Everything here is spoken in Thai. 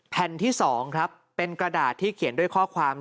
แผ่นที่๒ครับเป็นกระดาษที่เขียนด้วยข้อความ